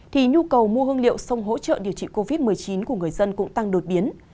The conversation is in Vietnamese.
thì nhu cầu mua hương liệu sông hỗ trợ điều trị covid một mươi chín của người dân cũng tăng đột biến